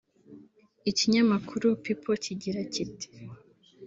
Ikinyamakuru People kigira kiti